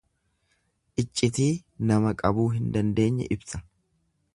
Iccitii nama qabuu hin dandeenye ibsa.